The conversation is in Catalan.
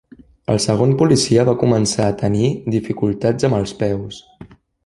El segon policia va començar a tenir dificultats amb els peus.